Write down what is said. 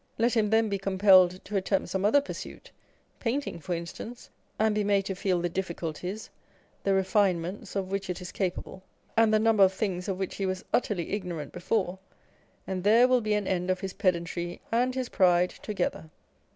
Let him then be compelled to attempt some other pursuit â€" painting, for instance â€" and be made to feel the difficulties, the refinements of which it is capable, and the number of things of which he was utterly ignorant before, and there will be an end of his pedantry and his pride together.